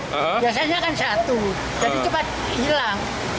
biasanya kan satu jadi cepat hilang